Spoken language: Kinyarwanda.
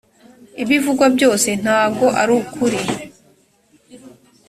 ibivugwa byose ntago arukuri.